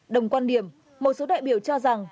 đồng quan điểm một số đại biểu cho rằng